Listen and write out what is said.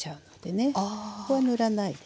ここは塗らないでね。